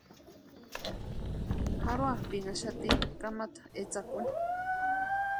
Jarhuapʼinhaxati kamata etsakuni.